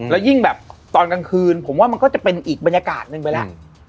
แล้วยิ่งแบบตอนกลางคืนผมว่ามันก็จะเป็นอีกบรรยากาศหนึ่งไปแล้ว